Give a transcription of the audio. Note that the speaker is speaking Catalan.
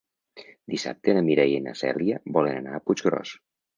Dissabte na Mireia i na Cèlia volen anar a Puiggròs.